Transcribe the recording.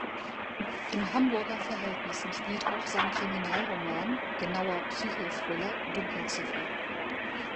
In Hamburger Verhältnissen spielt auch sein Kriminalroman, genauer Psychothriller "Dunkelziffer".